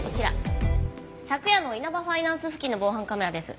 昨夜のイナバファイナンス付近の防犯カメラです。